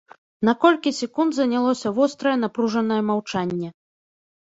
На колькі секунд занялося вострае напружанае маўчанне.